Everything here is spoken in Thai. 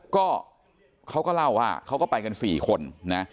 ก็เขาก็เล่าว่าเขาก็ไปกัน๔คนนะ